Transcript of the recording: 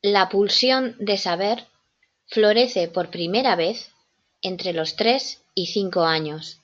La pulsión de saber florece por primera vez entre los tres y cinco años.